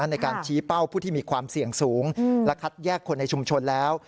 ในการชี้เป้าผู้ที่มีความเสี่ยงสูงและคัดแยกคนในชุมชนแล้ว